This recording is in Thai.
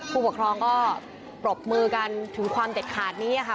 ผู้ปกครองก็ปรบมือกันถึงความเด็ดขาดนี้ค่ะ